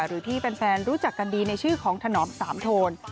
หรือที่แฟนรู้จักกันดีในชื่อของถนอมสามโทน